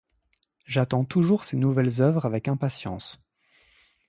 J'attends toujours ses nouvelles œuvres avec impatience.